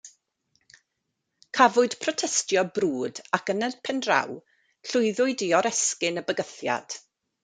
Cafwyd protestio brwd ac yn y pen draw, llwyddwyd i oresgyn y bygythiad.